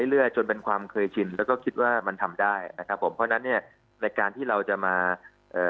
เรื่อยจนเป็นความเคยชินแล้วก็คิดว่ามันทำได้นะครับผมเพราะฉะนั้นเนี้ยในการที่เราจะมาเอ่อ